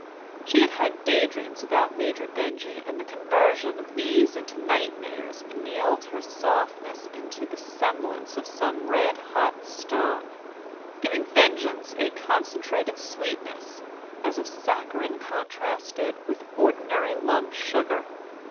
She had had daydreams about Major Benjy and the conversion of these into nightmares annealed her softness into the semblance of some red hot stone, giving vengeance a concentrated sweetness as of saccharine contrasted with ordinary lump sugar.